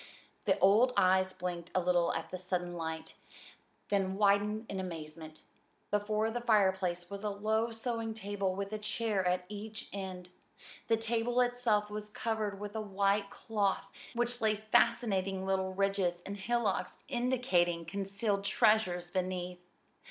The old eyes blinked a little at the sudden light, then widened in amazement. Before the fireplace was a low sewing table with a chair at each end. The table itself was covered with a white cloth which lay in fascinating little ridges and hillocks indicating concealed treasures beneath.